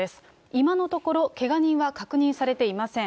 今のところ、けが人は確認されていません。